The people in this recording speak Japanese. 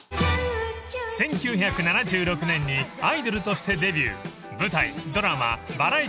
［１９７６年にアイドルとしてデビュー］